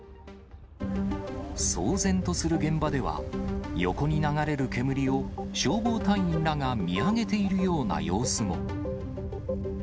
騒然とする現場では、横に流れる煙を消防隊員らが見上げているような様子も。